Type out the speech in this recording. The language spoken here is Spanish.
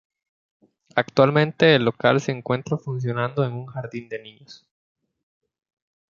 Actualmente el local se encuentra funcionando en un jardín de niños.